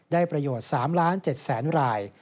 ได้ประโยชน์๓๗๐๐๐ราย